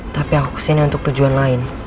tapi aku kesini untuk tujuan lain